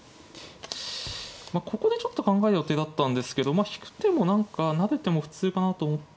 ここでちょっと考える予定だったんですけどまあ引く手も何か成る手も普通かなと。